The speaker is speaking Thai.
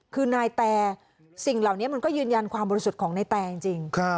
คือนายแต่สิ่งเหล่านี้มันก็ยืนยันความบริสุทธิ์ของนายแตจริง